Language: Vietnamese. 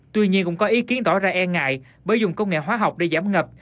tuy nhiên cũng có ý kiến tỏ ra e ngại bởi dùng công nghệ hóa học để giảm ngập